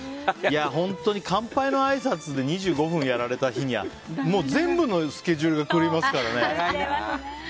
本当に乾杯のあいさつで２５分やられた日には全部のスケジュールが狂いますからね。